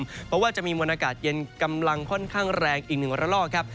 เพราะว่าจะมีมลังอากาศเย็นกำลังค่อนข้างแรงอีก๑วันละรอบ